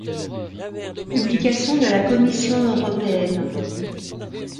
Publication de la Commission européenne.